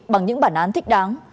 bằng những bản án thích đáng